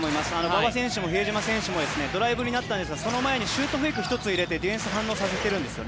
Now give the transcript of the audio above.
馬場選手も比江島選手もドライブになったんですがその前にシュートフェイクを入れてディフェンス反応させているんです。